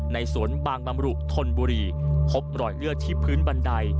ในสวนบางบำรุธนบุรีพบรอยเลือดที่พื้นบันได